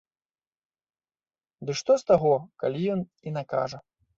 Ды што з таго, калі ён і накажа?